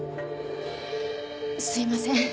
すいません。